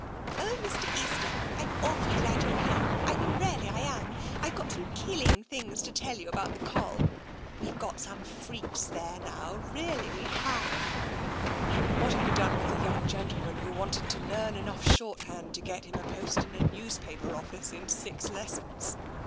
" Oh, Mr, Easter, Fm awfully glad you're here. I mean, really I am. I've got some killing things to tell you, about the Coll. We've got some freaks there now, really we have." "What have you done with the young gentleman who wanted to learn enough shorthand to get him a post in a newspaper office in six lessons